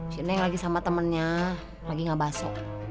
sini yang lagi sama temennya lagi ngebaso